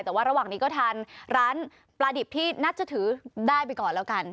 แต่ว่าระหว่างนี้ก็ทานร้านปลาดิบที่น่าจะถือได้ไปก่อนแล้วกัน